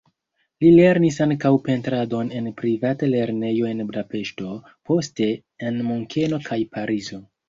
Li lernis ankaŭ pentradon en privata lernejo en Budapeŝto, poste en Munkeno kaj Parizo.